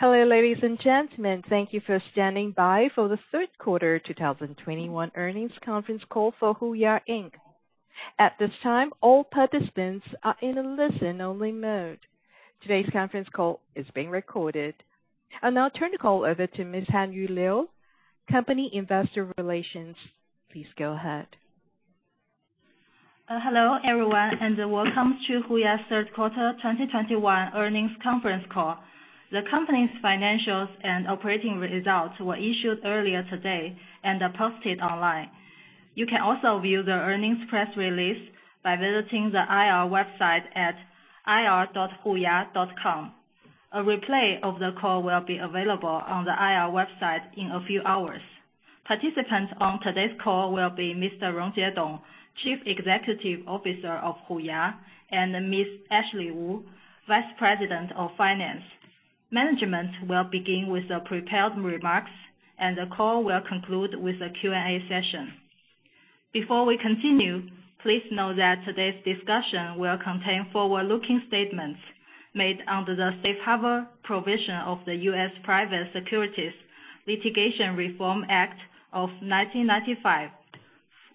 Hello, ladies and gentlemen. Thank you for standing by for the 1/3 1/4 2021 earnings conference call for HUYA Inc. At this time, all participants are in a listen-only mode. Today's conference call is being recorded. I'll now turn the call over to Ms. Hanyu Liu, Company Investor Relations. Please go ahead. Hello, everyone, and welcome to HUYA 1/3 1/4 2021 earnings conference call. The company's financials and operating results were issued earlier today and are posted online. You can also view the earnings press release by visiting the IR website at ir.huya.com. A replay of the call will be available on the IR website in a few hours. Participants on today's call will be Mr. Rongjie Dong, Chief Executive Officer of HUYA, and Ms. Ashley Wu, Vice President of Finance. Management will begin with the prepared remarks, and the call will conclude with a Q&A session. Before we continue, please note that today's discussion will contain Forward-Looking statements made under the safe harbor provision of the US Private Securities Litigation Reform Act of 1995.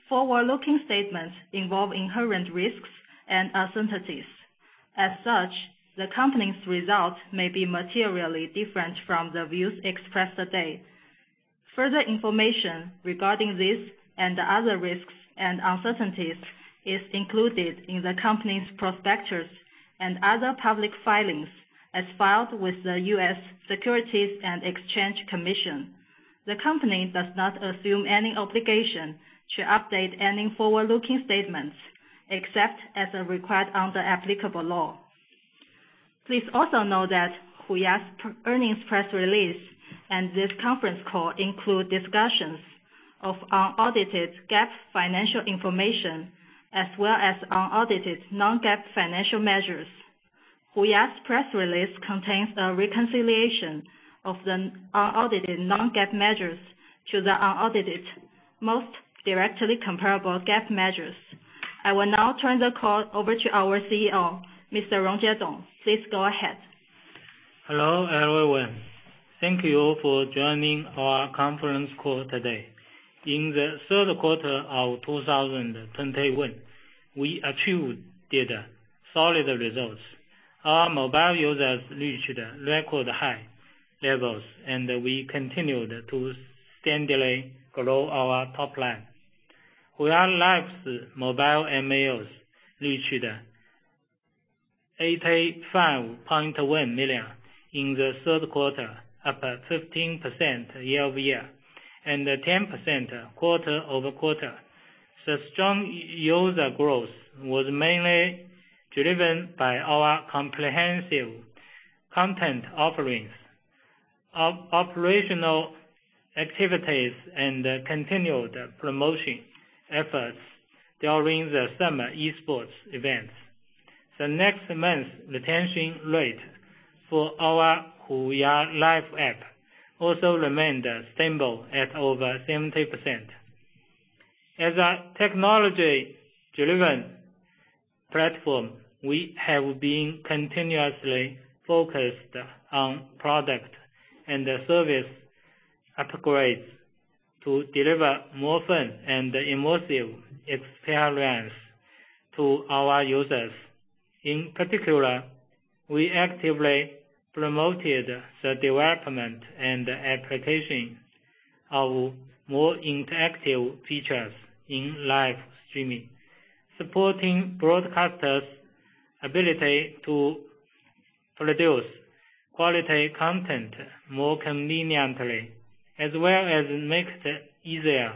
Forward-looking statements involve inherent risks and uncertainties. As such, the company's results may be materially different from the views expressed today. Further information regarding this and other risks and uncertainties is included in the company's prospectus and other public filings as filed with the U.S. Securities and Exchange Commission. The company does not assume any obligation to update any Forward-Looking statements except as is required under applicable law. Please also know that HUYA's earnings press release and this conference call include discussions of unaudited GAAP financial information, as well as unaudited Non-GAAP financial measures. HUYA's press release contains a reconciliation of the unaudited Non-GAAP measures to the unaudited, most directly comparable GAAP measures. I will now turn the call over to our CEO, Mr. Rongjie Dong. Please go ahead. Hello, everyone. Thank you for joining our conference call today. In the 1/3 1/4 of 2021, we achieved solid results. Our mobile users reached record high levels, and we continued to steadily grow our top line. HUYA Live's mobile MAUs reached 85.1 million in the 1/3 1/4, up 15% Year-Over-Year, and 10% 1/4-over-1/4. The strong user growth was mainly driven by our comprehensive content offerings, operational activities, and continued promotion efforts during the summer esports events. The next month retention rate for our HUYA Live app also remained stable at over 70%. As a technology-driven platform, we have been continuously focused on product and service upgrades to deliver more fun and immersive experience to our users. In particular, we actively promoted the development and application of more interactive features in live streaming, supporting broadcasters' ability to produce quality content more conveniently, as well as making it easier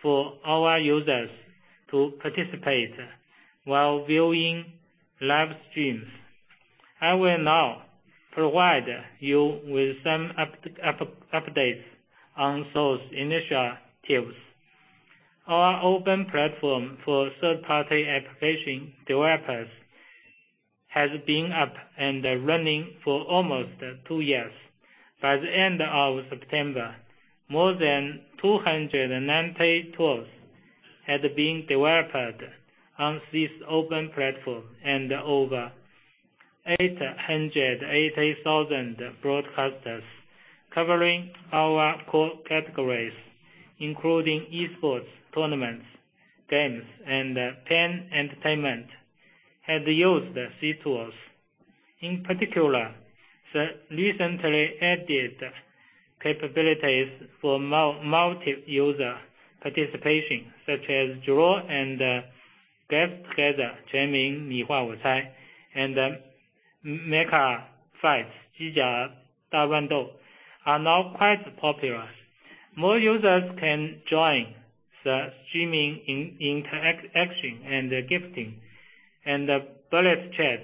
for our users to participate while viewing live streams. I will now provide you with some updates on those initiatives. Our open platform for 1/3-party application developers has been up and running for almost 2 years. By the end of September, more than 290 tools had been developed on this open platform, and over 880,000 broadcasters covering our core categories, including esports tournaments, games, and fan entertainment, have used these tools. In particular, the recently added capabilities for multiple user participation, such as Draw and Grab Together, and Mecha Fight, are now quite popular. More users can join the streaming interaction and the gifting, and the bullet chats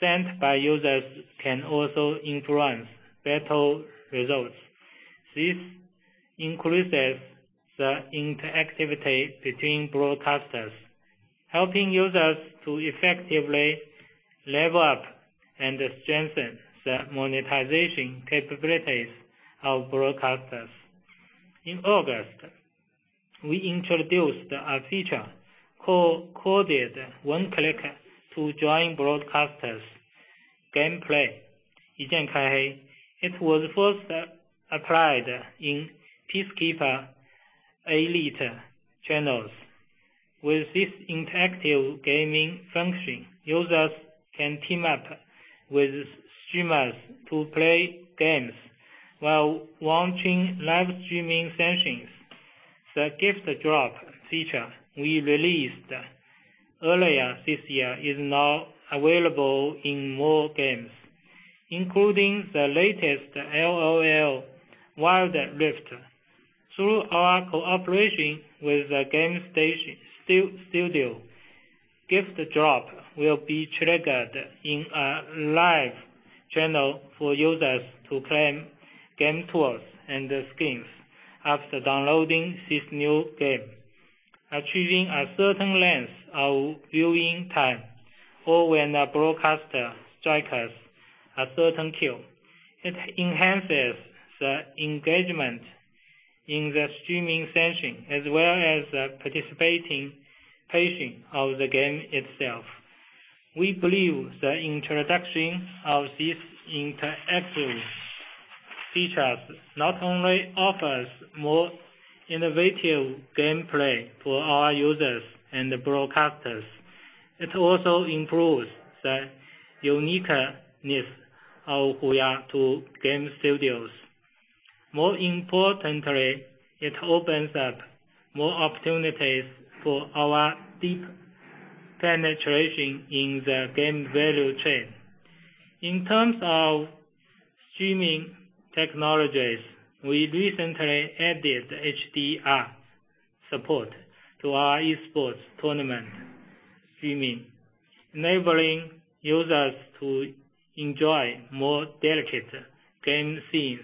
sent by users can also influence battle results. This increases the interactivity between broadcasters, helping users to effectively level up and strengthen the monetization capabilities of broadcasters. In August, we introduced a feature called One Click to Join Broadcasters Gameplay. It was first applied in Peacekeeper Elite Channels. With this interactive gaming function, users can team up with streamers to play games while watching live streaming sessions. The Gift Drop feature we released earlier this year is now available in more games, including the latest LOL: Wild Rift. Through our cooperation with the game studio, Gift Drop will be triggered in a live channel for users to claim game tools and skins after downloading this new game. Achieving a certain length of viewing time or when a broadcaster strikes a certain kill, it enhances the engagement in the streaming session, as well as the participation in the game itself. We believe the introduction of these interactive features not only offers more innovative gameplay to our users and broadcasters, it also improves the uniqueness of HUYA to game studios. More importantly, it opens up more opportunities for our deep penetration in the game value chain. In terms of streaming technologies, we recently added HDR support to our esports tournament streaming, enabling users to enjoy more delicate game scenes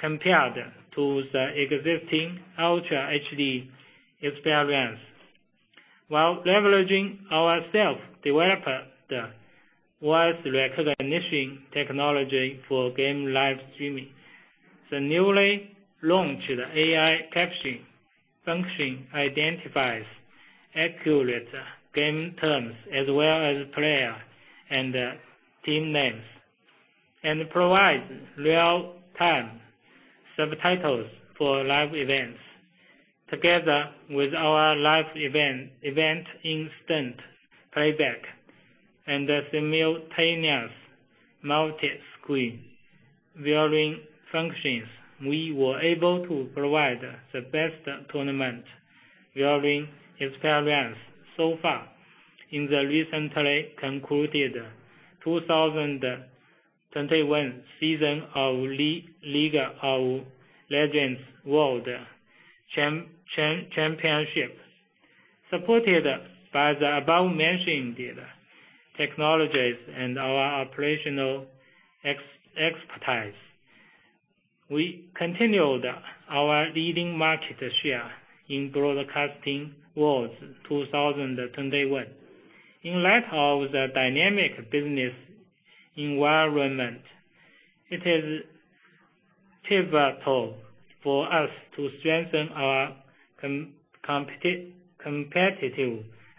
compared to the existing ultra HD experience. While leveraging our self-developed voice recognition technology for game live streaming, the newly launched AI caption function identifies accurate game terms as well as player and team names, and provides real-time subtitles for live events. Together with our live event instant playback and simultaneous multi-screen viewing functions, we were able to provide the best tournament viewing experience so far in the recently concluded 2021 season of League of Legends World Championship. Supported by the above mentioned technologies and our operational expertise, we continued our leading market share in broadcasting Worlds 2021. In light of the dynamic business environment, it is pivotal for us to strengthen our competitive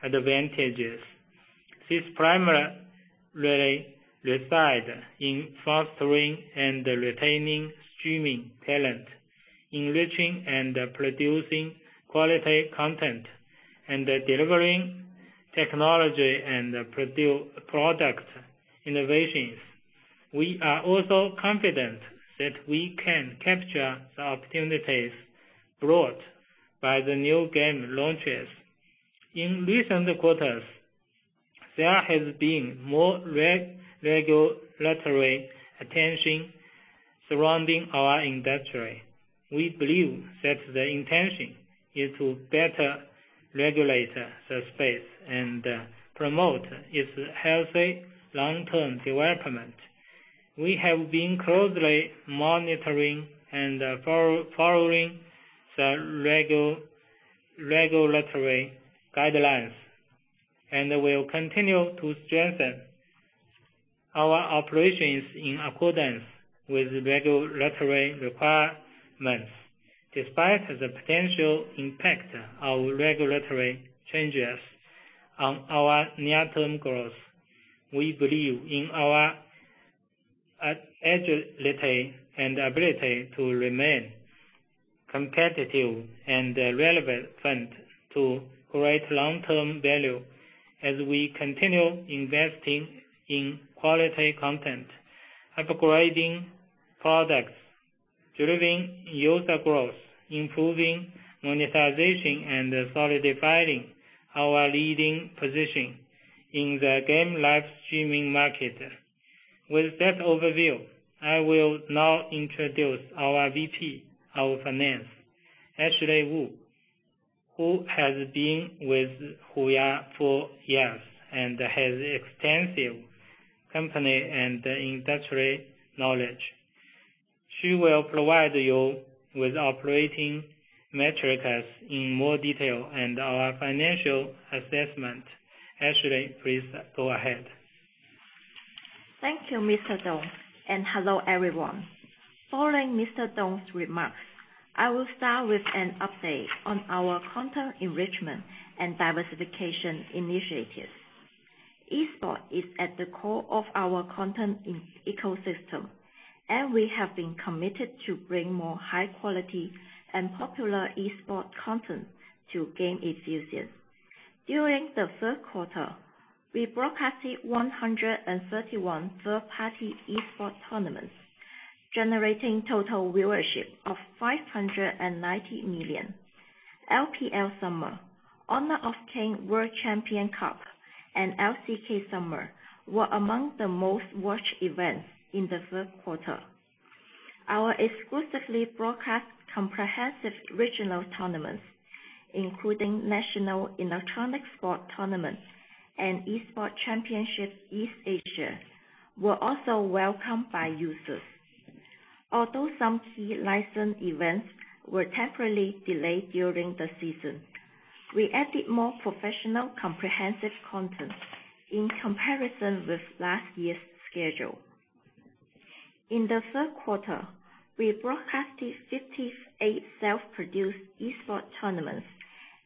advantages. This primarily reside in fostering and retaining streaming talent, enriching and producing quality content, and delivering technology and product innovations. We are also confident that we can capture the opportunities brought by the new game launches. In recent quarters, there has been more regulatory attention surrounding our industry. We believe that the intention is to better regulate the space and promote its healthy Long-Term development. We have been closely monitoring and following the regulatory guidelines, and will continue to strengthen our operations in accordance with regulatory requirements. Despite the potential impact of regulatory changes on our near-term growth, we believe in our agility and ability to remain competitive and relevant front to create Long-Term value as we continue investing in quality content, upgrading products, driving user growth, improving monetization, and solidifying our leading position in the game live streaming market. With that overview, I will now introduce our VP of Finance, Ashley Wu, who has been with HUYA for years and has extensive company and industry knowledge. She will provide you with operating metrics in more detail and our financial assessment. Ashley, please go ahead. Thank you, Mr. Dong, and hello everyone. Following Mr. Dong's remarks, I will start with an update on our content enrichment and diversification initiatives. Esports is at the core of our content ecosystem, and we have been committed to bring more high quality and popular esports content to game enthusiasts. During the 1/3 1/4, we broadcasted 131 1/3-party esports tournaments, generating total viewership of 590 million. LPL Summer, Honor of Kings World Champion Cup, and LCK Summer were among the most watched events in the 1/3 1/4. Our exclusively broadcast comprehensive regional tournaments, including National Electronic Sports Tournaments and Esports Championships East Asia, were also welcomed by users. Although some key licensed events were temporarily delayed during the season, we added more professional comprehensive content in comparison with last year's schedule. In the 1/3 1/4, we broadcasted 58 self-produced esports tournaments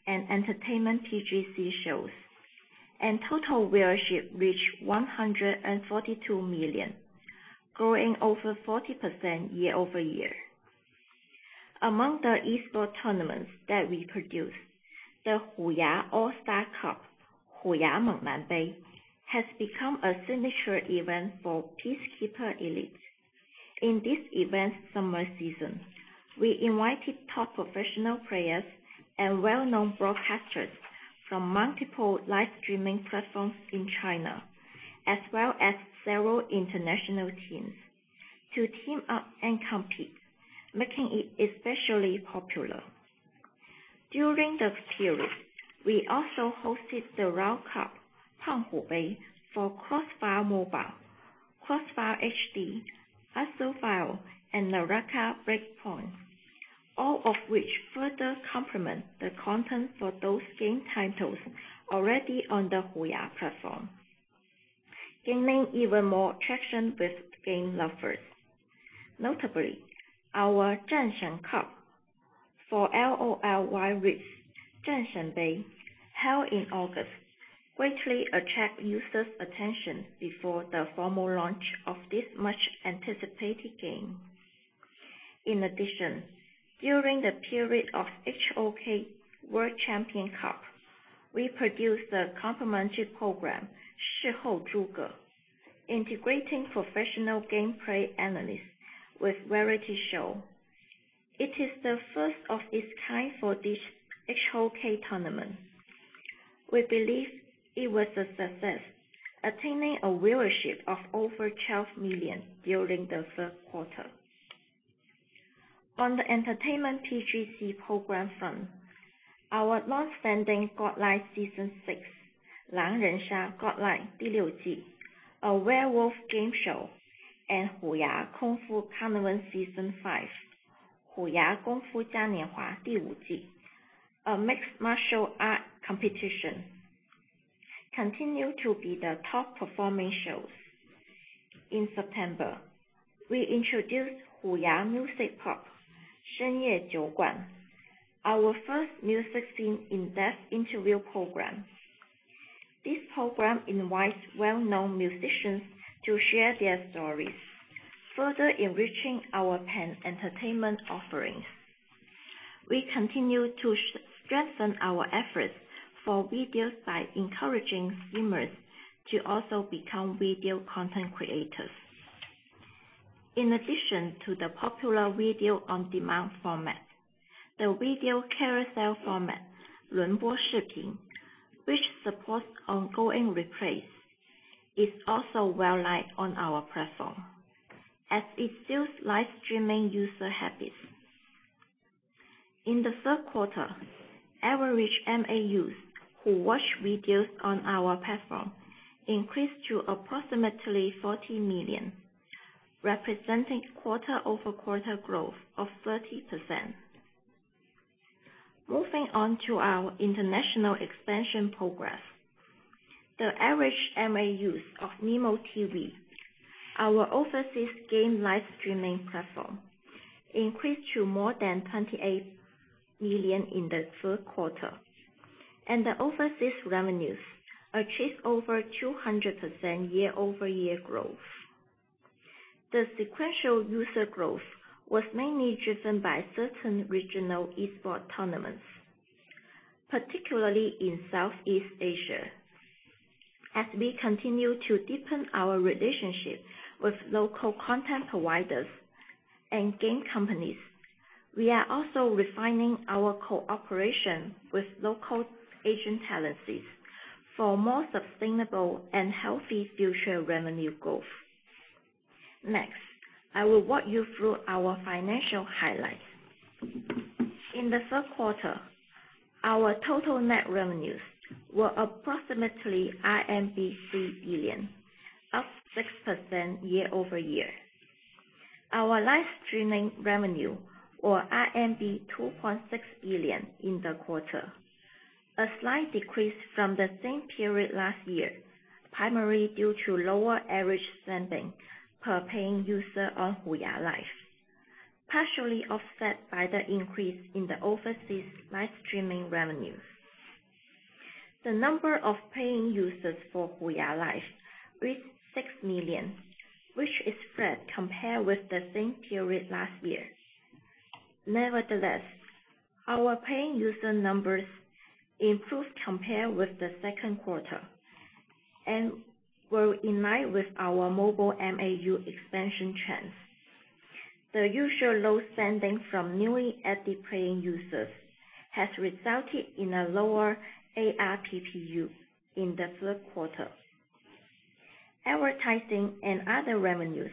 and entertainment PGC shows, and total viewership reached 142 million, growing over 40% Year-Over-Year. Among the esports tournaments that we produced, the HUYA All-Star Cup, HUYA 芒芒杯, has become a signature event for Peacekeeper Elite. In this event's summer season, we invited top professional players and well-known broadcasters from multiple live streaming platforms in China, as well as several international teams to team up and compete, making it especially popular. During the series, we also hosted the Pang Hu Cup, 胖虎杯, for Crossfire Mobile, Crossfire HD, Assault Fire, and NARAKA: BLADEPOINT, all of which further complement the content for those game titles already on the HUYA platform, gaining even more traction with game lovers. Notably, our Zhong Shen Cup for LOL: Wild Rift, Zhen Shen 杯, held in August, greatly attract users' attention before the formal launch of this much-anticipated game. In addition, during the period of HOK World Champion Cup, we produced a complementary program, Shi Hou Zhu Ge, integrating professional gameplay analysis with variety show. It is the first of its kind for this HOK tournament. We believe it was a success, attaining a viewership of over 12 million during the 1/3 1/4. On the entertainment PGC program front, our long-standing GodLie Season Six, 狼人杀 GodLie 第六季, a werewolf game show, and HUYA Kung Fu Tournament Season Five, HUYA 功夫嘉年华 第五季, a mixed martial arts competition, continue to be the top-performing shows. In September, we introduced HUYA Music Club, 深夜酒馆, our first music scene in-depth interview program. This program invites well-known musicians to share their stories, further enriching our pan-entertainment offerings. We continue to strengthen our efforts for videos by encouraging streamers to also become video content creators. In addition to the popular video-on-demand format, the video carousel format, 轮播视频, which supports ongoing replays, is also well-liked on our platform as it suits live streaming user habits. In the 1/3 1/4, average MAUs who watch videos on our platform increased to approximately 40 million, representing quarte-over-quarter growth of 30%. Moving on to our international expansion progress. The average MAUs of Nimo TV, our overseas game live streaming platform, increased to more than 28 million in the 1/3 1/4, and the overseas revenues achieved over 200% Year-Over-Year growth. The sequential user growth was mainly driven by certain regional esports tournaments, particularly in Southeast Asia. As we continue to deepen our relationship with local content providers and game companies, we are also refining our cooperation with local Asian talents for more sustainable and healthy future revenue growth. Next, I will walk you through our financial highlights. In the 1/3 1/4, our total net revenues were approximately 3 billion, up 6% Year-Over-Year. Our live streaming revenues were RMB 2.6 billion in the 1/4, a slight decrease from the same period last year, primarily due to lower average spending per paying user on HUYA Live, partially offset by the increase in the overseas live streaming revenues. The number of paying users for HUYA Live reached 6 million, which is flat compared with the same period last year. Nevertheless, our paying user numbers improved compared with the second 1/4 and were in line with our mobile MAU expansion trends. The usual low spending from newly added paying users has resulted in a lower ARPPU in the 1/3 1/4. Advertising and other revenues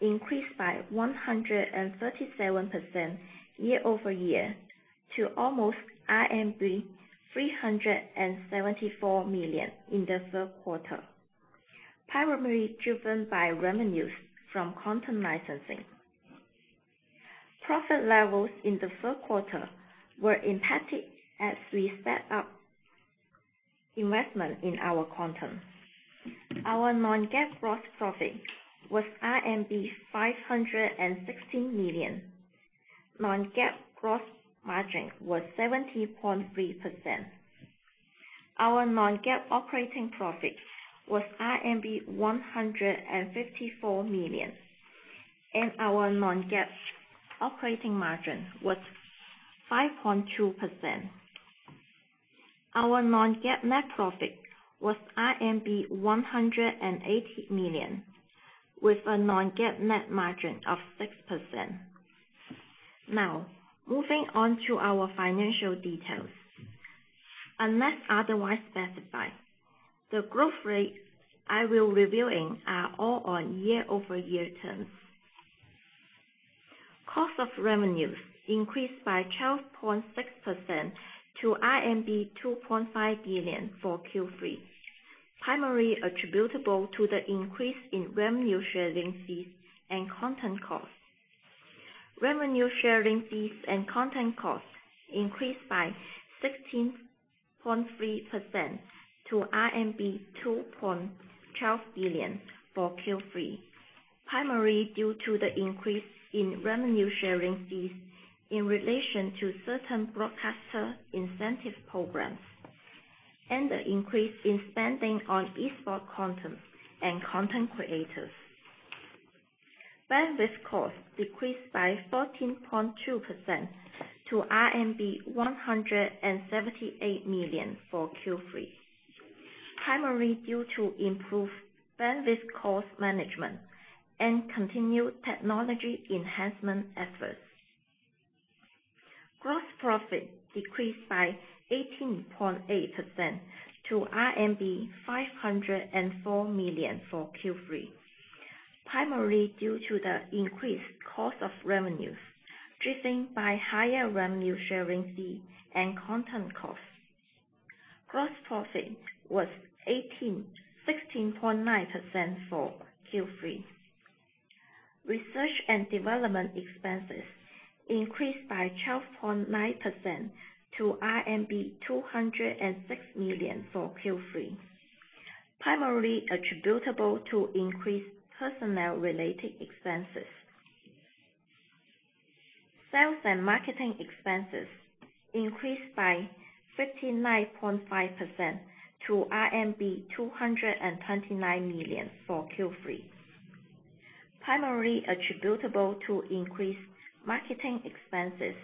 increased by 137% Year-Over-Year to almost RMB 374 million in the 1/3 1/4, primarily driven by revenues from content licensing. Profit levels in the 1/3 1/4 were impacted as we step up investment in our content. Our Non-GAAP gross profit was RMB 560 million. Non-GAAP gross margin was 73%. Our Non-GAAP operating profit was RMB 154 million, and our Non-GAAP operating margin was 5.2%. Our Non-GAAP net profit was RMB 180 million with a Non-GAAP net margin of 6%. Now, moving on to our financial details. Unless otherwise specified, the growth rates I will reveal are all on Year-Over-Year terms. Cost of revenues increased by 12.6% to RMB 2.5 billion for Q3, primarily attributable to the increase in revenue sharing fees and content costs. Revenue sharing fees and content costs increased by 16.3% to RMB 2.12 billion for Q3, primarily due to the increase in revenue sharing fees in relation to certain broadcaster incentive programs and the increase in spending on esports content and content creators. Bandwidth costs decreased by 14.2% to RMB 178 million for Q3, primarily due to improved bandwidth cost management and continued technology enhancement efforts. Gross profit decreased by 18.8% to RMB 504 million for Q3, primarily due to the increased cost of revenues driven by higher revenue sharing fee and content costs. Gross profit was 16.9% for Q3. Research and development expenses increased by 12.9% to RMB 206 million for Q3, primarily attributable to increased personnel-related expenses. Sales and marketing expenses increased by 59.5% to RMB 229 million for Q3, primarily attributable to increased marketing expenses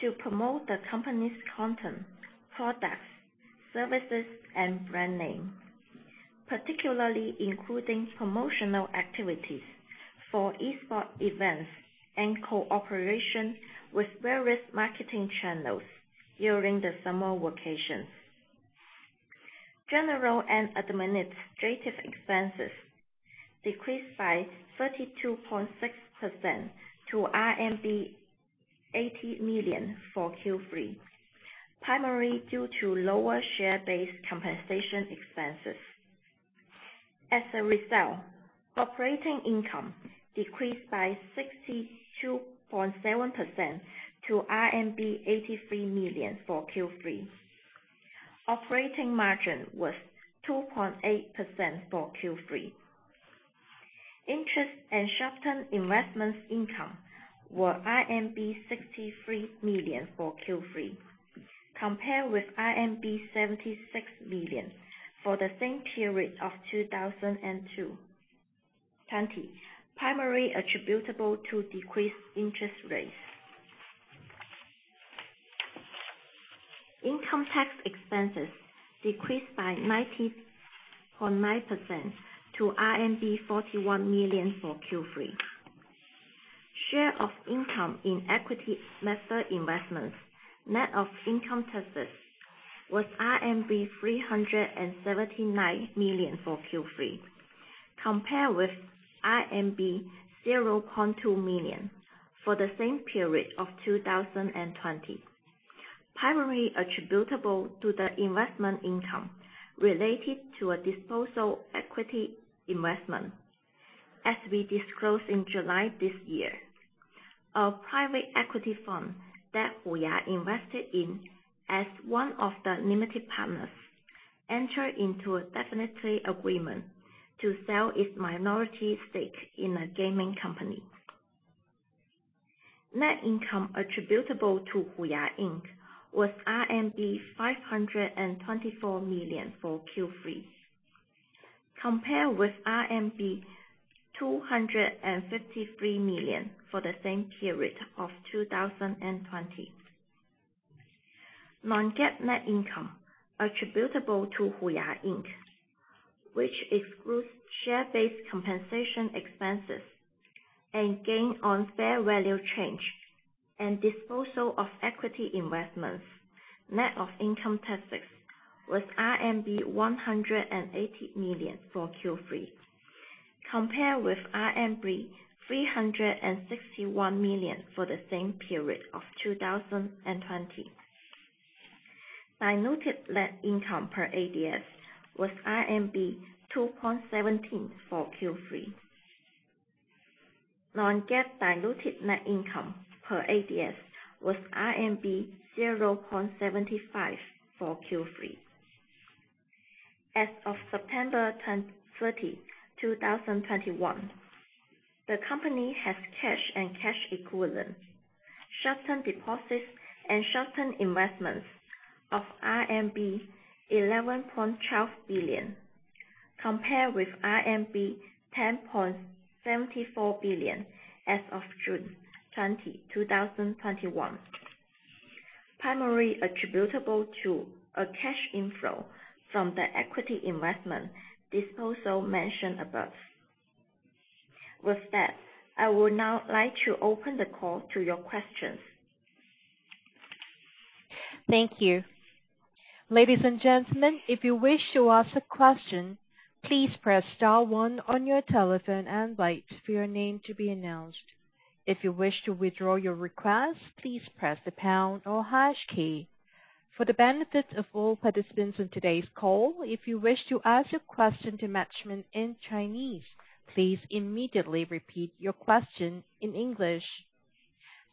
to promote the company's content, products, services, and brand name, particularly including promotional activities for esports events and cooperation with various marketing channels during the summer vacations. General and administrative expenses decreased by 32.6% to RMB 80 million for Q3, primarily due to lower share-based compensation expenses. As a result, operating income decreased by 62.7% to RMB 83 million for Q3. Operating margin was 2.8% for Q3. Interest and Short-Term investments income were RMB 63 million for Q3, compared with RMB 76 million for the same period of 2020, primarily attributable to decreased interest rates. Income tax expenses decreased by 19.9% to RMB 41 million for Q3. Share of income in equity method investments, net of income taxes, was RMB 379 million for Q3, compared with RMB 0.2 million for the same period of 2020, primarily attributable to the investment income related to a disposal equity investment. As we disclosed in July this year, a private equity fund that HUYA invested in as one of the limited partners entered into a definitive agreement to sell its minority stake in a gaming company. Net income attributable to HUYA Inc. was RMB 524 million for Q3, compared with RMB 253 million for the same period of 2020. Non-GAAP net income attributable to HUYA Inc., which excludes share-based compensation expenses and gain on fair value change and disposal of equity investments, net of income taxes, was RMB 180 million for Q3, compared with RMB 361 million for the same period of 2020. Diluted net income per ADS was RMB 2.17 for Q3. Non-GAAP diluted net income per ADS was RMB 0.75 for Q3. As of September 30, 2021, the company has cash and cash equivalents, Short-Term deposits and Short-Term investments of RMB 11.12 billion, compared with RMB 10.74 billion as of June 20, 2021, primarily attributable to a cash inflow from the equity investment disposal mentioned above. With that, I would now like to open the call to your questions. Thank you. Ladies and gentlemen, if you wish to ask a question, please press star one on your telephone and wait for your name to be announced. If you wish to withdraw your request, please press the pound or hash key. For the benefit of all participants in today's call, if you wish to ask your question to management in Chinese, please immediately repeat your question in English.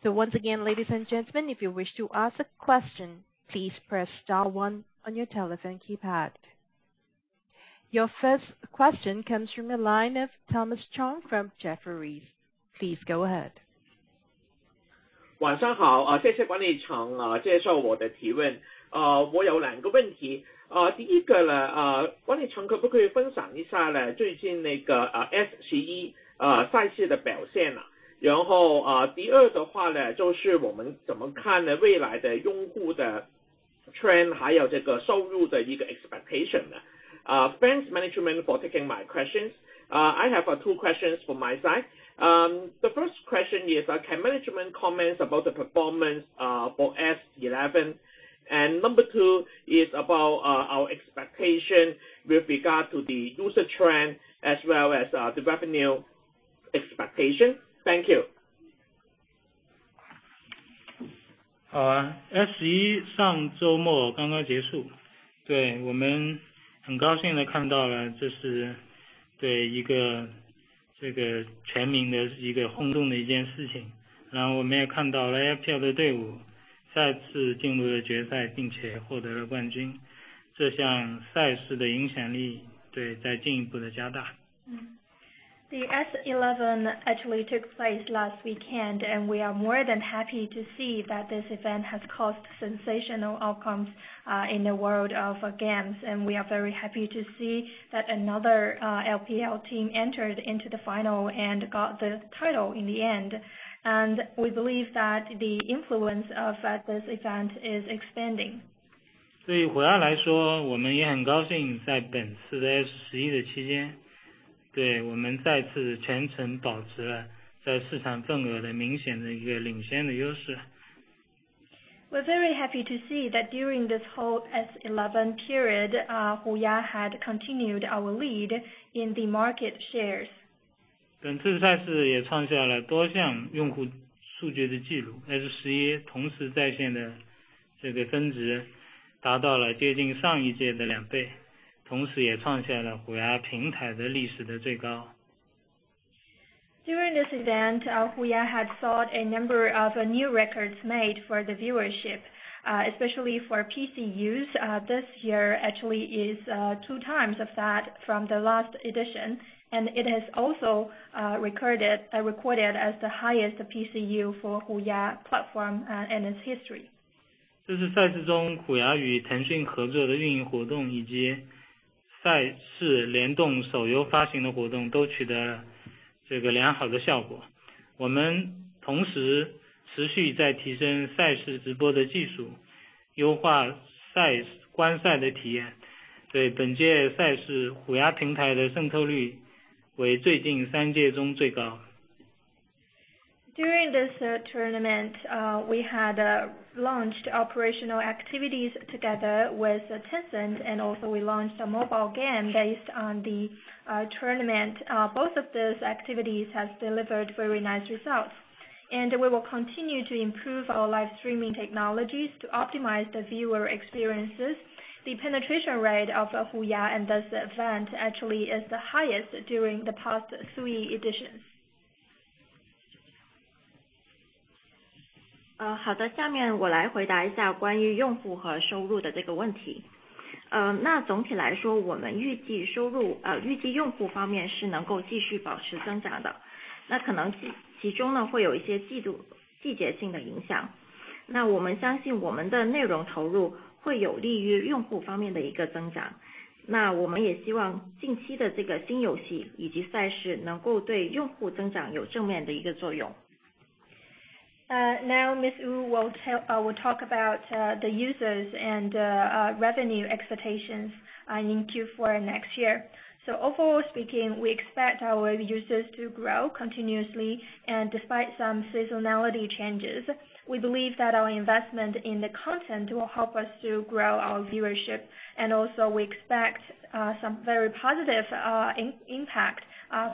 Once again, ladies and gentlemen, if you wish to ask a question, please press star one on your telephone keypad. Your first question comes from the line of Thomas Chong from Jefferies. Please go ahead. Thanks management for taking my questions. I have 2 questions from my side. The first question is, can management comment about the performance for S11? Number 2 is about our expectation with regard to the user trend as well as the revenue expectation. Thank you. The S11 actually took place last weekend, and we are more than happy to see that this event has caused sensational outcomes in the world of games. We are very happy to see that another LPL team entered into the final and got the title in the end. We believe that the influence of this event is expanding. We're very happy to see that during this whole S11 period, HUYA had continued our lead in the market shares. During this event, HUYA had saw a number of new records made for the viewership, especially for PCUs. This year actually is 2 times of that from the last edition. It has also recorded as the highest PCU for HUYA platform in its history. During this tournament, we had launched operational activities together with Tencent, and also we launched a mobile game based on the tournament. Both of those activities has delivered very nice results. We will continue to improve our live streaming technologies to optimize the viewer experiences. The penetration rate of HUYA and thus the event actually is the highest during the past 3 editions. Now Ashley Wu will talk about the users and revenue expectations in Q4 next year. Overall speaking, we expect our users to grow continuously, and despite some seasonality changes, we believe that our investment in the content will help us to grow our viewership. Also we expect some very positive impact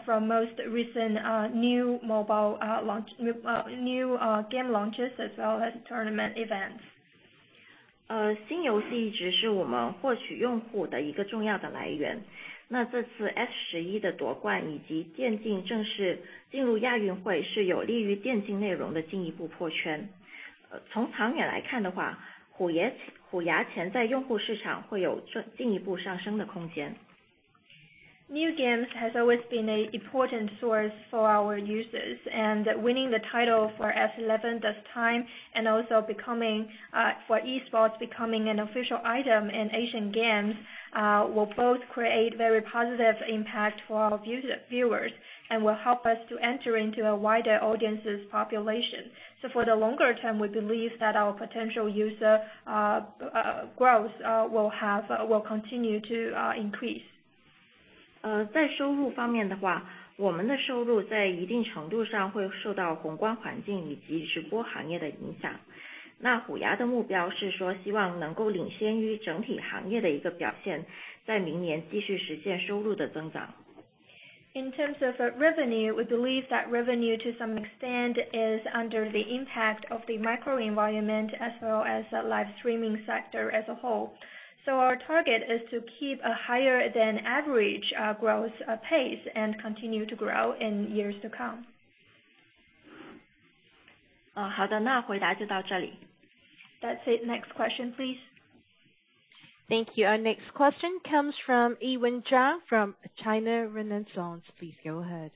from most recent new mobile launch, new game launches as well as tournament events. 新游戏一直是我们获取用户的一个重要的来源。这次S11的夺冠以及电竞正式进入亚运会，是有利于电竞内容的进一步破圈。从长远来看的话，虎牙潜在用户市场会有进一步上升的空间。New games has always been a important source for our users, and winning the title for S11 this time, and also, for esports, becoming an official item in Asian Games will both create very positive impact for our viewers, and will help us to enter into a wider audiences population. For the longer term, we believe that our potential user growth will continue to increase. 在收入方面的话，我们的收入在一定程度上会受到宏观环境以及直播行业的影响。那虎牙的目标是说希望能够领先于整体行业的一个表现，在明年继续实现收入的增长。In terms of revenue, we believe that revenue to some extent is under the impact of the microenvironment as well as the live streaming sector as a whole. Our target is to keep a higher than average growth pace and continue to grow in years to come. 好的，那回答就到这里。That's it. Next question, please. Thank you. Our next question comes from Yiwen Zhang from China Renaissance. Please go ahead.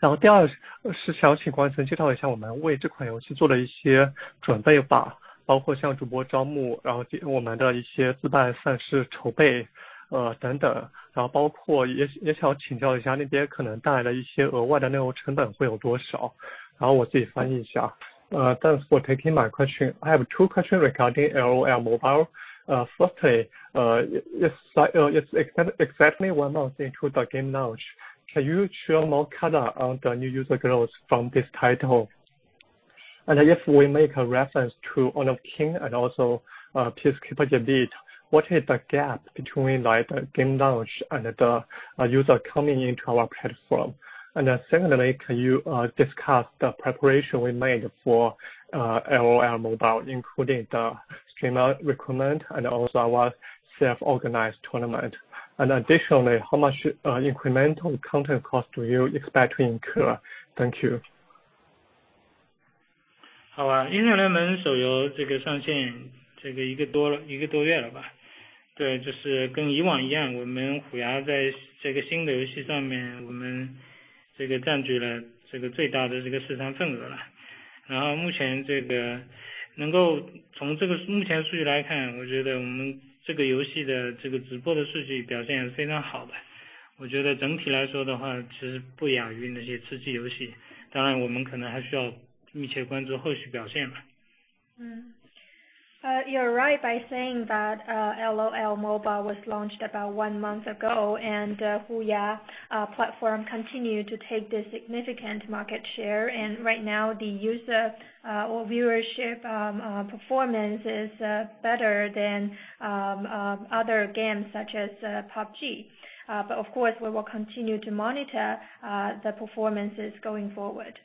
Thanks for taking my question. I have 2 questions regarding LOL mobile. Firstly, it's exactly one month into the game launch. Can you share more color on the new user growth from this title? And if we make a reference to Honor of Kings and also Peacekeeper Elite, what is the gap between like game launch and the user coming into our platform? Secondly, can you discuss the preparation we made for LOL mobile, including the streamer recruitment and also our self-organized tournament? Additionally, how much incremental content cost do you expect to incur? Thank you. 好，英雄联盟手游这个上线一个多月了吧。对，就是跟以往一样，我们虎牙在这个新的游戏上面，我们占据了最大的市场份额了。然后目前能够从目前数据来看，我觉得我们这个游戏的直播的数据表现也是非常好的。我觉得整体来说的话，其实不亚于那些吃鸡游戏。当然我们可能还需要密切关注后续表现吧。You're right by saying that LOL mobile was launched about one month ago, and HUYA platform continued to take the significant market share. Right now, the user or viewership performance is better than other games such as PUBG. Of course we will continue to monitor the performances going forward.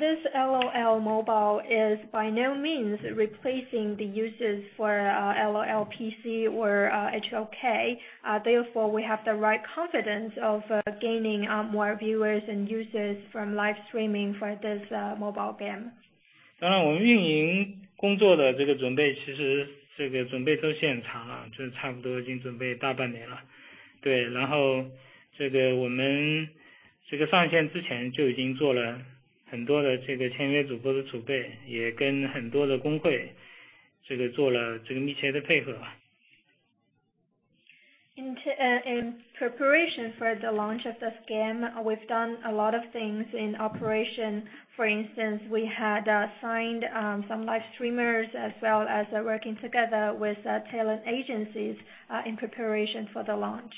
This LOL mobile is by no means replacing the users for LOL PC or HOK, therefore, we have the right confidence of gaining more viewers and users from live streaming for this mobile game. 当然我们运营工作的这个准备，其实这个准备都相当长了，这差不多已经准备大半年了。对，然后这个我们这个上线之前就已经做了很多的这个签约主播的储备，也跟很多的公会这个做了这个密切的配合吧。In preparation for the launch of this game, we've done a lot of things in operation. For instance, we had signed some live streamers as well as working together with talent agencies in preparation for the launch.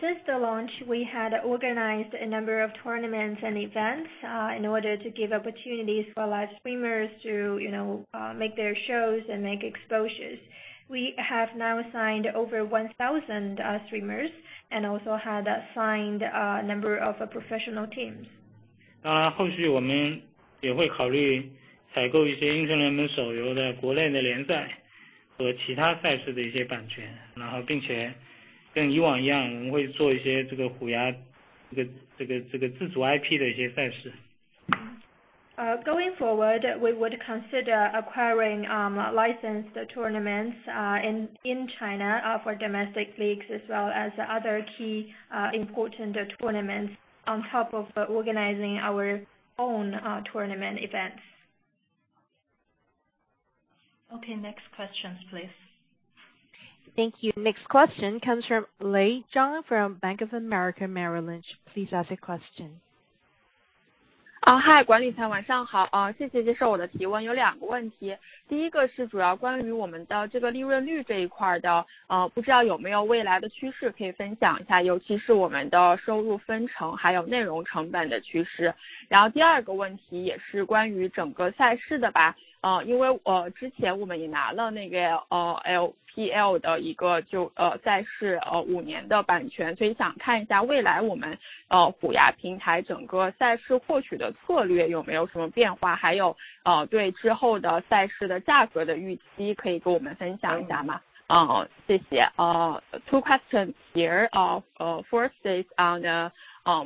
Since the launch, we had organized a number of tournaments and events in order to give opportunities for live streamers to, you know, make their shows and make exposures. We have now signed over 1,000 streamers and also had signed a number of professional teams. 后续我们也会考虑采购一些英雄联盟手游的国内的联赛和其他赛事的一些版权，并且跟以往一样，我们会做一些虎牙自主IP的一些赛事。Going forward, we would consider acquiring licensed tournaments in China for domestic leagues as well as other key important tournaments on top of organizing our own tournament events. Okay, next questions please. Thank you. Next question comes from Lei Zhang from Bank of America Merrill Lynch. Please ask your question. 管理层晚上好，谢谢接受我的提问。有两个问题，第一个是主要关于我们的利润率这一块的，不知道有没有未来的趋势可以分享一下，尤其是我们的收入分成，还有内容成本的趋势。然后第二个问题也是关于整个赛事的。因为我之前我们也拿了那个LPL的赛事五年的版权，所以想看一下未来我们虎牙平台整个赛事获取的策略有没有什么变化，还有对之后的赛事的价格的预期可以跟我们分享一下吗？谢谢。Uh, 2 questions here. First is on the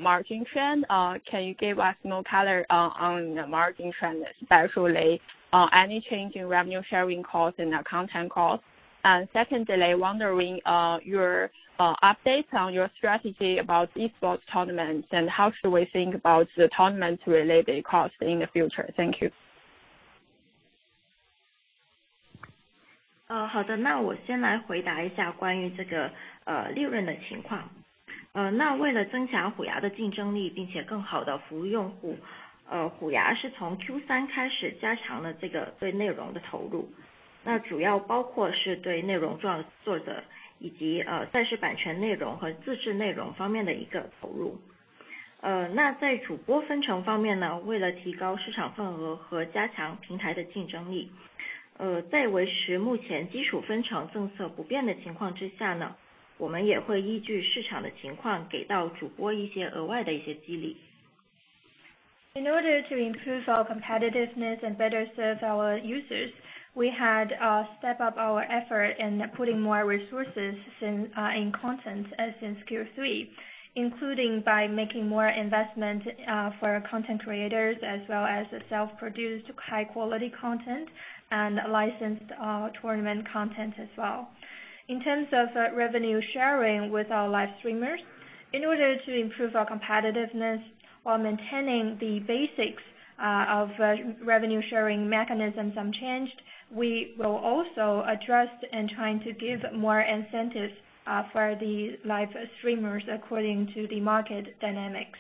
margin trend. Can you give us more color on the margin trend, especially on any change in revenue sharing costs and content costs? Secondly, wondering about your updates on your strategy about esports tournaments and how should we think about the tournament related costs in the future? Thank you. 为了增强虎牙的竞争力，并且更好地服务用户，虎牙是从Q3开始加强了对内容的投入，主要包括是对内容创作者以及赛事版权内容和自制内容方面的投入。在主播分成方面，为了提高市场份额和加强平台的竞争力，在维持目前基础分成政策不变的情况之下，我们也会依据市场的情况给到主播一些额外的激励。In order to improve our competitiveness and better serve our users, we had step up our effort in putting more resources in content as in Q3, including by making more investment for our content creators as well as self-produced high quality content and licensed tournament content as well. In terms of revenue sharing with our live streamers. In order to improve our competitiveness while maintaining the basics of revenue sharing mechanisms unchanged. We will also address and trying to give more incentives for these live streamers according to the market dynamics.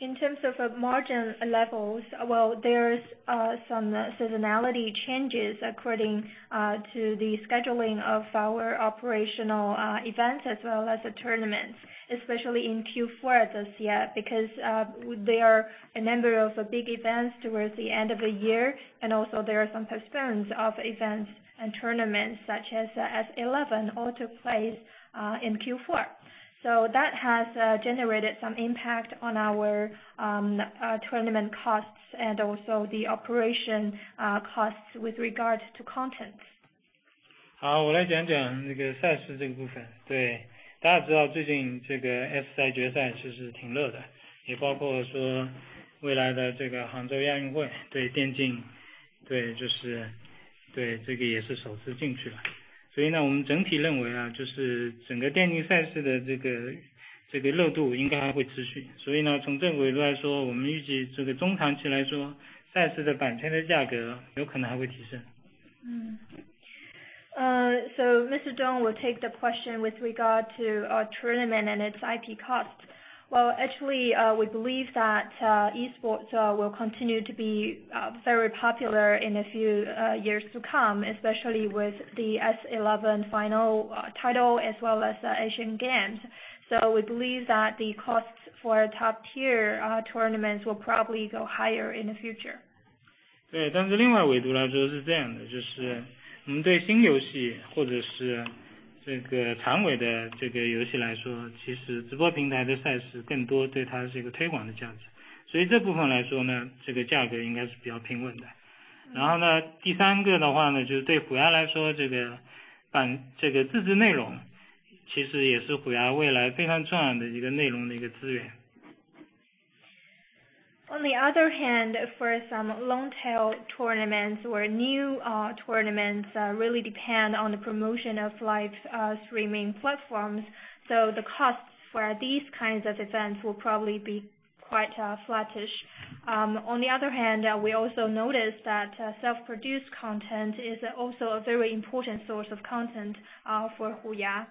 In terms of margin levels, there's some seasonality changes according to the scheduling of our operational events as well as tournaments, especially in Q4 this year, because there are a number of big events towards the end of the year. There are some postponements of events and tournaments such as S11 all took place in Q4. That has generated some impact on our tournament costs and also the operation costs with regards to content. 好，我来讲讲这个赛事这个部分。大家知道最近这个S赛决赛其实挺热的，也包括说未来的这个杭州亚运会，对电竞，这个也是首次进去吧。所以呢，我们整体认为啊，就是整个电竞赛事的这个热度应该还会持续。所以呢，从这个维度来说，我们预计这个中长期来说，赛事的版权的价格有可能还会提升。Mm-hmm. Mr. Dong will take the question with regard to our tournament and its IP cost. Well, actually, we believe that esports will continue to be very popular in a few years to come, especially with the S11 final title as well as Asian Games. We believe that the costs for top tier tournaments will probably go higher in the future. On the other hand, for some long tail tournaments or new tournaments really depend on the promotion of live streaming platforms, so the cost for these kinds of events will probably be quite flattish. On the other hand, we also notice that self-produced content is also a very important source of content for HUYA.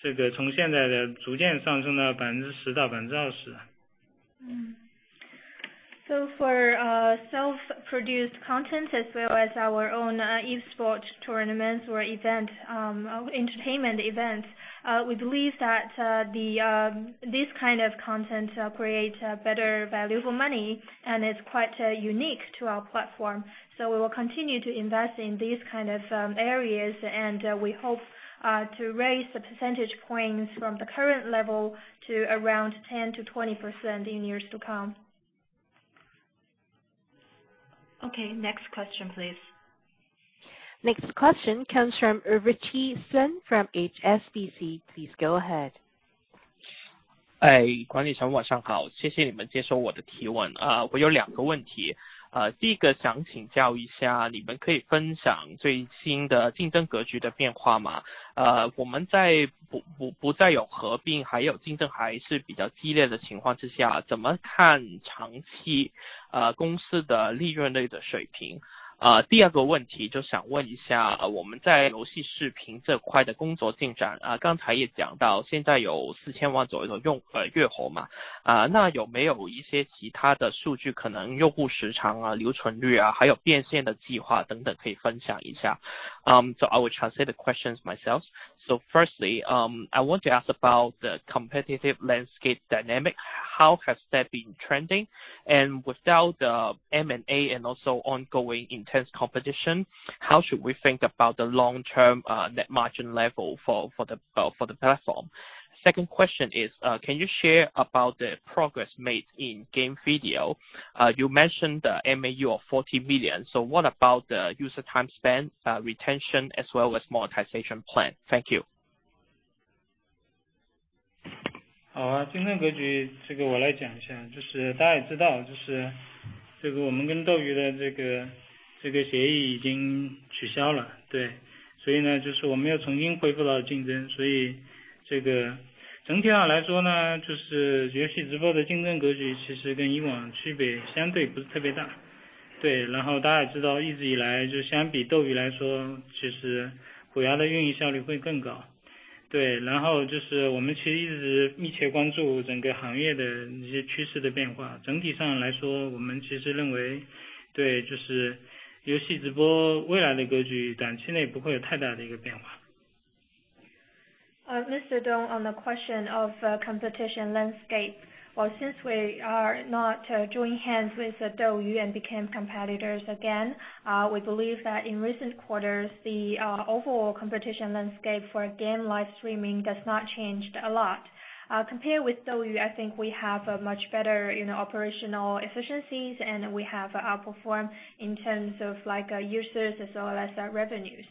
For self-produced content as well as our own esports tournaments or event, entertainment events, we believe that the, this kind of content create better value for money, and it's quite unique to our platform. We will continue to invest in these kind of areas and we hope to raise the percentage points from the current level to around 10%-20% in years to come. Okay, next question please. Next question comes from Ritchie Sun from HSBC. Please go ahead. 管理层晚上好，谢谢你们接受我的提问。我有两个问题，第一个想请教一下，你们可以分享最新的竞争格局的变化吗？我们在不再有合并，还有竞争还是比较激烈的情况之下，怎么看长期公司的利润率的水平？第二个问题就想问一下，我们在游戏视频这块的工作进展，刚才也讲到现在有四千万左右的月活，那有没有一些其他的数据，可能用户时长啊、留存率啊，还有变现的计划等等可以分享一下。So I would translate the questions myself. Firstly, I want to ask about the competitive landscape dynamic. How has that been trending? Without the M&A and also ongoing intense competition, how should we think about the Long-Term net margin level for the platform? Second question is, can you share about the progress made in game video? You mentioned the MAU of 40 million. So what about user time spent retention as well as monetization plan? Thank you. Mr. Dong, on the question of competition landscape. Well, since we are not join hands with DouYu and became competitors again, we believe that in recent quarters, the overall competition landscape for game live streaming does not changed a lot. Compared with DouYu, I think we have a much better operational efficiencies and we have outperformed in terms of like users as well as our revenues.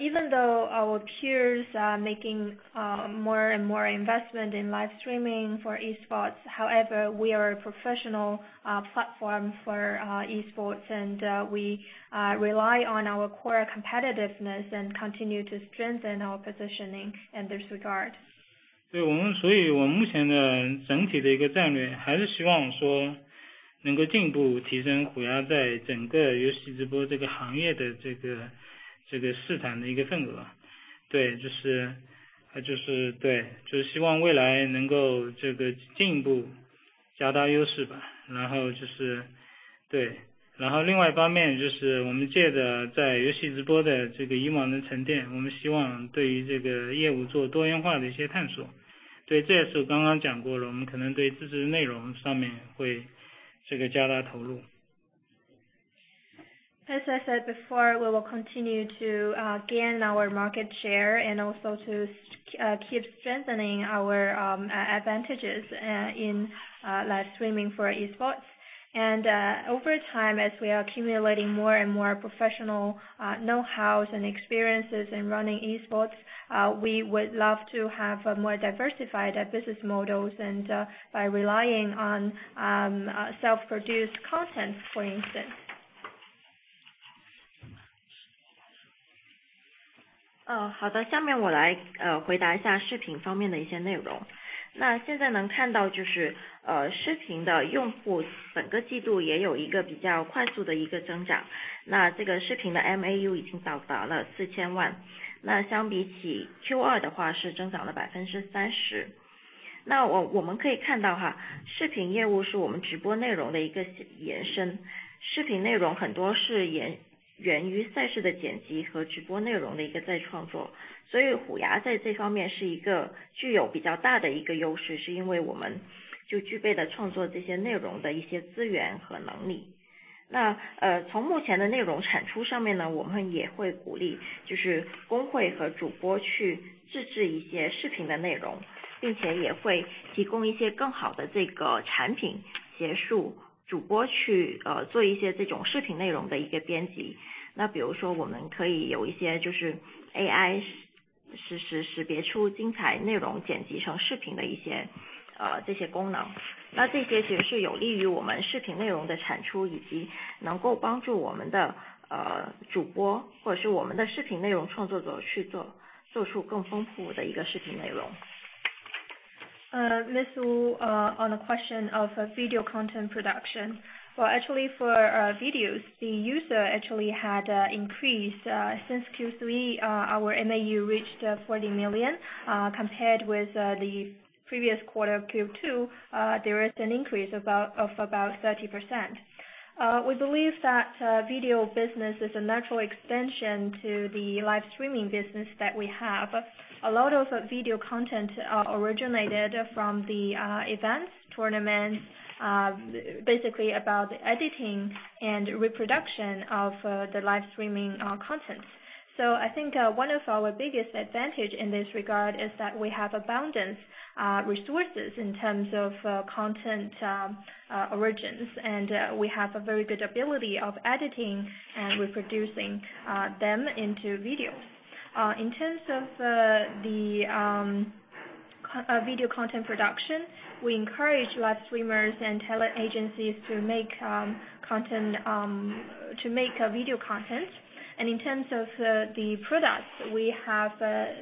Even though our peers are making more and more investment in live streaming for esports. However, we are a professional platform for esports, and we rely on our core competitiveness and continue to strengthen our positioning in this regard. As I said before, we will continue to gain our market share and also to keep strengthening our advantages in live streaming for esports. Over time, as we are accumulating more and more professional know-how and experiences in running esports, we would love to have a more diversified business models, and by relying on self-produced content, for instance. Ms. Wu, on the question of video content production. Well, actually for videos, the user actually had increased since Q3. Our MAU reached 40 million compared with the previous 1/4 of Q2, there is an increase of about 30%. We believe that video business is a natural extension to the live streaming business that we have. A lot of video content originated from the events, tournaments, basically about the editing and reproduction of the live streaming content. I think one of our biggest advantage in this regard is that we have abundant resources in terms of content origins, and we have a very good ability of editing and reproducing them into videos. In terms of the video content production, we encourage live streamers and talent agencies to make video content. In terms of the products, we have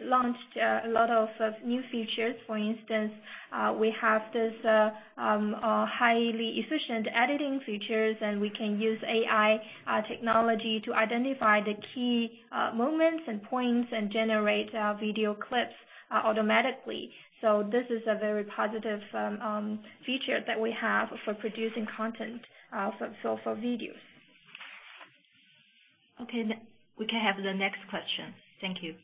launched a lot of new features. For instance, we have this highly efficient editing features, and we can use AI technology to identify the key moments and points and generate video clips automatically. This is a very positive feature that we have for producing content, for videos. Okay, we can have the next question. Thank you.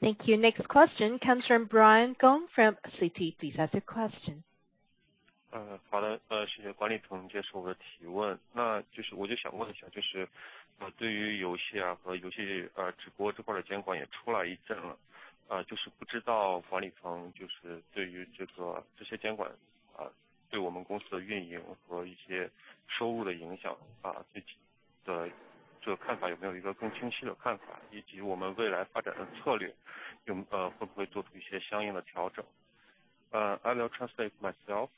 Thank you. Next question comes from Brian Gong from Citigroup. Please ask your question. 好的，谢谢管理层接受我的提问。我想问一下，对于游戏和游戏直播这块的监管也出来一阵了，不知道管理层对于这些监管对我们公司的运营和一些收入的影响，这个看法有没有一个更清晰的看法，以及我们未来发展的策略会不会做出一些相应的调整。I will translate myself.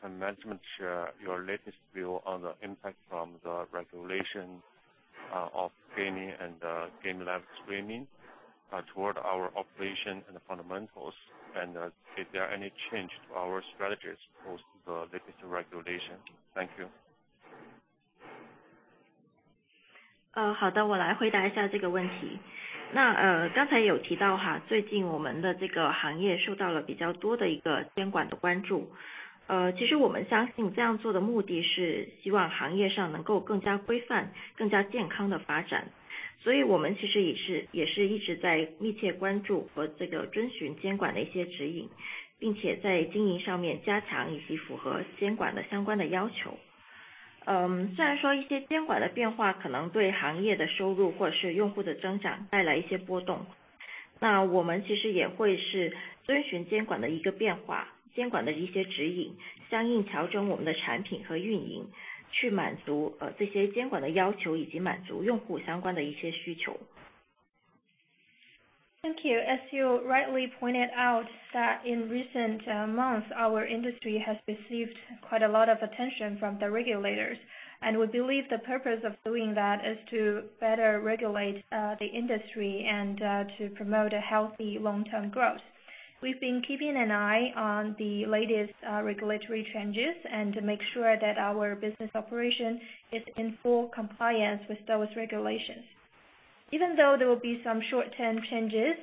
Can management share your latest view on the impact from the regulation of gaming and game live streaming toward our operation and fundamentals, and if there are any change to our strategies post the latest regulation? Thank you. Thank you. As you rightly pointed out that in recent months, our industry has received quite a lot of attention from the regulators, and we believe the purpose of doing that is to better regulate, the industry and to promote a healthy Long-Term growth. We've been keeping an eye on the latest regulatory changes and make sure that our business operation is in full compliance with those regulations. Even though there will be some short term changes,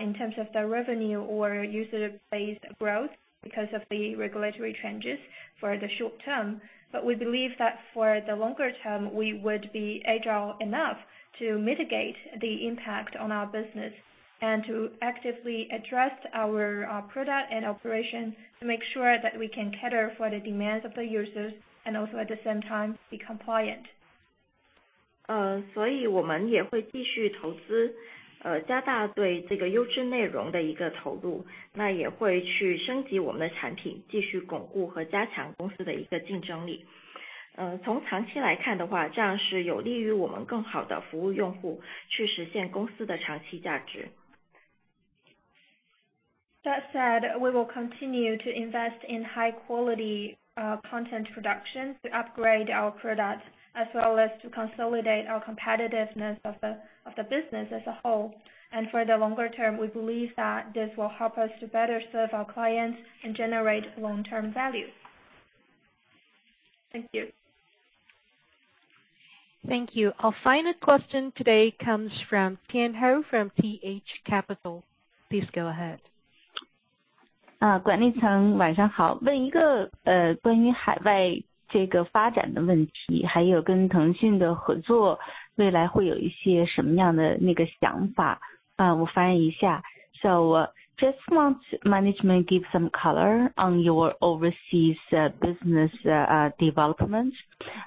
in terms of the revenue or user base growth because of the regulatory changes for the short term. We believe that for the longer term, we would be agile enough to mitigate the impact on our business and to actively address our product and operations to make sure that we can cater for the demands of the users and also at the same time be compliant. That said, we will continue to invest in high quality content production to upgrade our products, as well as to consolidate our competitiveness of the business as a whole. For the longer term, we believe that this will help us to better serve our clients and generate Long-Term value. Thank you. Thank you. Our final question today comes from Tian Hou from T.H. Capital. Please go ahead. I just want management to give some color on your overseas business development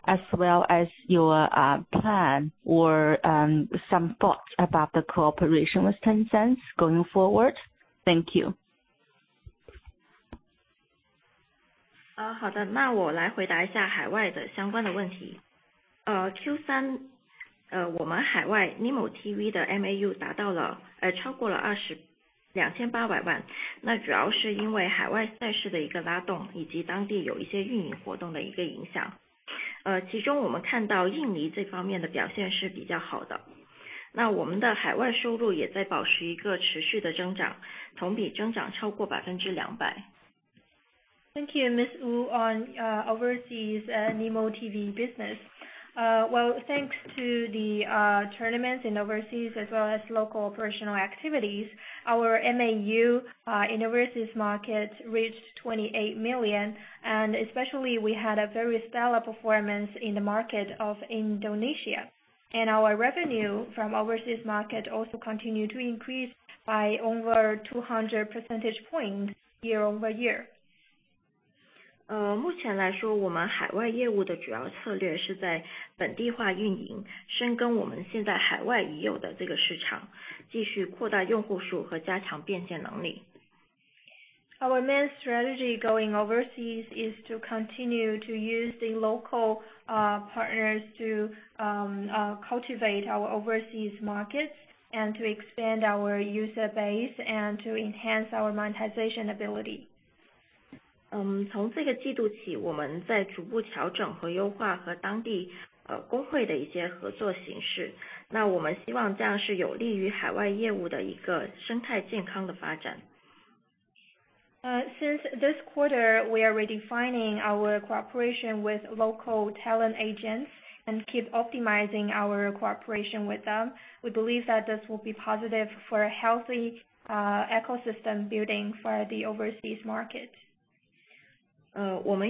as well as your plan or some thoughts about the cooperation with Tencent going forward. Thank you. Thank you, Miss Wu. On overseas Nimo TV business. Well, thanks to the tournaments in overseas as well as local operational activities, our MAU in overseas markets reached 28 million. Especially we had a very stellar performance in the market of Indonesia, and our revenue from overseas market also continued to increase by over 200 percentage points Year-Over-Year. Our main strategy going overseas is to continue to use the local partners to cultivate our overseas markets and to expand our user base and to enhance our monetization ability. Since this 1/4, we are redefining our cooperation with local talent agents and keep optimizing our cooperation with them. We believe that this will be positive for a healthy ecosystem building for the overseas market. We believe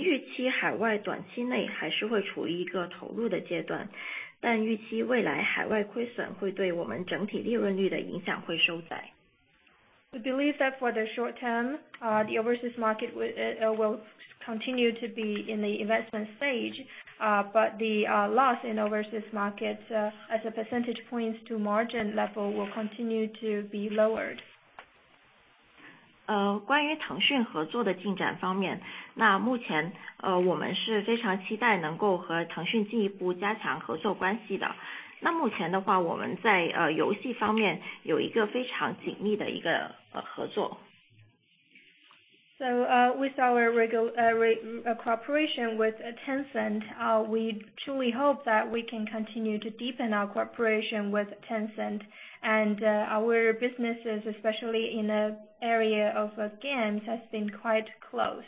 that for the short term, the overseas market will continue to be in the investment stage, but the loss in overseas markets, as a percentage points to margin level will continue to be lowered. With our cooperation with Tencent, we truly hope that we can continue to deepen our cooperation with Tencent and our businesses, especially in the area of games, has been quite close.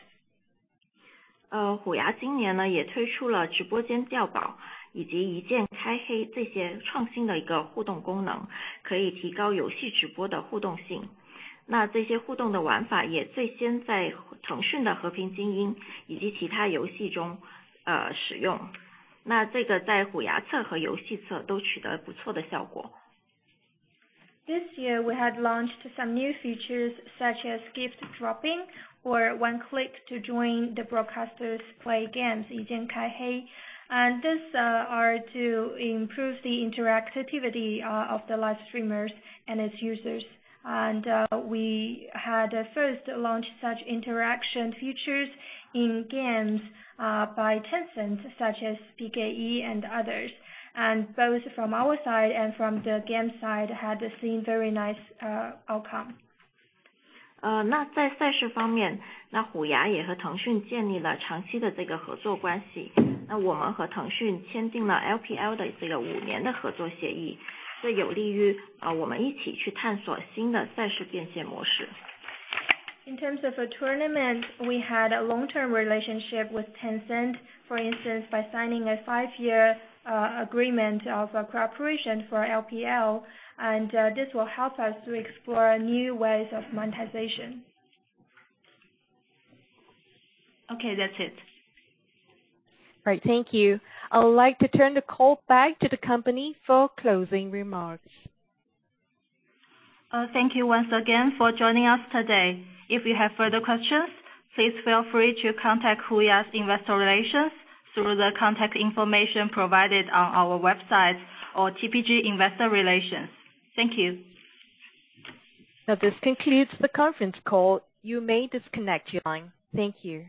This year, we had launched some new features, such as Gift Drop or One Click to Join Broadcasters Gameplay. This are to improve the interactivity of the live streamers and its users. We had first launched such interaction features in games by Tencent, such as PKE and others. Both from our side and from the game side had seen very nice outcome. In terms of the tournament, we had a Long-Term relationship with Tencent, for instance, by signing a 5-year agreement of cooperation for LPL, and this will help us to explore new ways of monetization. Okay, that's it. All right. Thank you. I would like to turn the call back to the company for closing remarks. Thank you once again for joining us today. If you have further questions, please feel free to contact HUYA's Investor Relations through the contact information provided on our website or The Piacente Group. Thank you. Now, this concludes the conference call. You may disconnect your line. Thank you.